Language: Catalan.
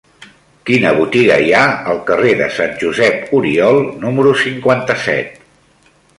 Quina botiga hi ha al carrer de Sant Josep Oriol número cinquanta-set?